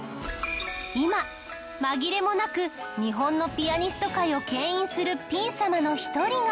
今紛れもなく日本のピアニスト界を牽引するピン様の一人が。